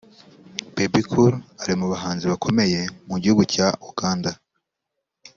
Bebe Cool ari mu bahanzi bakomeye mu gihugu cya Uganda